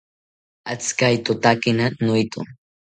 Atzikaitotakina noeto